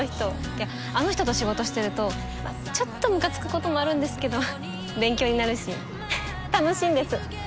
いやあの人と仕事してるとまあちょっとムカつくこともあるんですけど勉強になるしははっ楽しいんです。